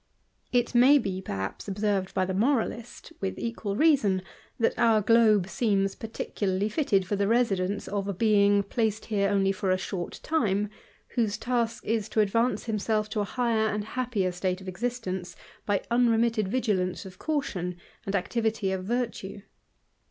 It may be perhaps observed by the moralist, with equal reason, that our globe seems particularly fitted for the residence of a being, placed here only for a short time, whose task is to advance himself to a higher and happi state of existence, by unremitted vigilance of caution, ani activity of virtue.